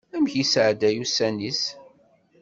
Amek i yesɛedday ussan-is?